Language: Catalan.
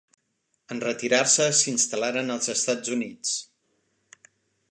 En retirar-se s'instal·laren als Estats Units.